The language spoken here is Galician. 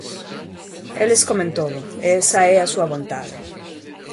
Eles comen todo, e esa é a súa vontade.